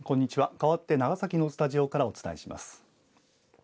かわって長崎のスタジオからお伝えします。